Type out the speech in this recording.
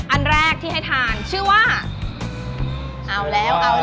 อันแรกที่ให้ทานชื่อว่า